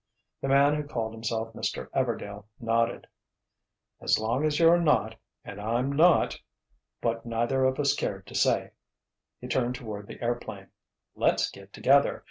The man who called himself Mr. Everdail nodded. "As long as you're not, and I'm not—what neither of us cared to say," he turned toward the airplane, "let's get together!